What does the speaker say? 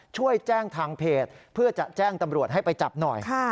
ช่วยแจ้งทางเพจเพื่อจะแจ้งตำรวจให้ไปจับหน่อย